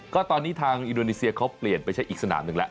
ก็ตอนนี้ทางอินโดนีเซียเขาเปลี่ยนไปใช้อีกสนามหนึ่งแล้ว